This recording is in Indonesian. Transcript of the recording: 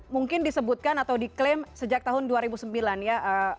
mungkin disebutkan atau diklaim sejak tahun dua ribu sembilan ya